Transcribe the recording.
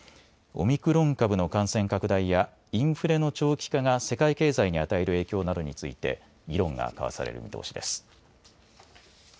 オミクロン株の感染拡大やインフレの長期化が世界経済に与える影響などについて議論が交わされる見通しです。